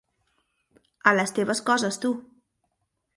A les teves coses, tu.